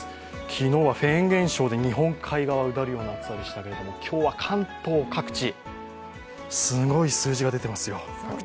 昨日はフェーン現象で日本海側がうだるような暑さでしたけれども今日は関東各地、すごい数字が出ていますよ。